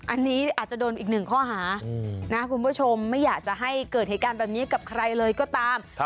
อันนี้อาจจะโดนอีกหนึ่งข้อหานะคุณผู้ชมไม่อยากจะให้เกิดเหตุการณ์แบบนี้กับใครเลยก็ตาม